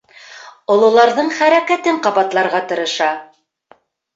Ололарҙың хәрәкәтен ҡабатларға тырыша.